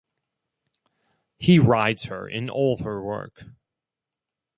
He rides her in all her work.